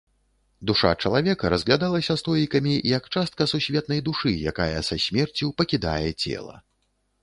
Душа чалавека разглядалася стоікамі як частка сусветнай душы, якая са смерцю пакідае цела.